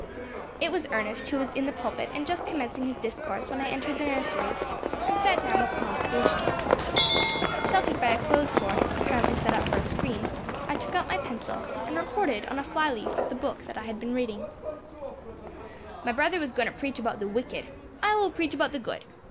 It was Ernest who was in the pulpit and just commencing his discourse when I entered the nursery, and sat down with the congregation. Sheltered by a clothes horse, apparently set up for a screen, I took out my pencil, and reported on a fly leaf of the book I had been reading: "My brother was goin' to preach about the wicked: I will preach about the good.